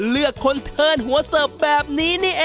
เลือกค้นเทิร์นหัวเสิร์ฟแบบนี้เองล่ะครับ